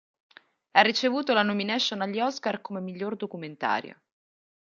Ha ricevuto la nomination agli Oscar come miglior documentario.